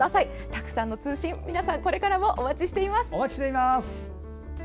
たくさんの通信皆さんこれからもお願いします。